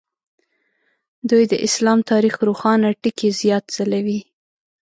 دوی د اسلام تاریخ روښانه ټکي زیات ځلوي.